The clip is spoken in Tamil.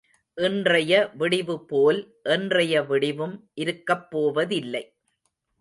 இன்றைய விடிவு போல் என்றைய விடிவும் இருக்கப் போவதில்லை.